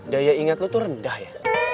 daya ingat lo tuh rendah ya